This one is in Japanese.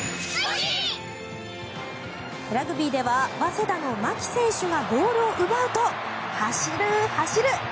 ラグビーでは早稲田の槇選手がボールを奪うと走る、走る！